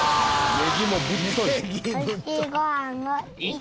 ネギもぶっとい。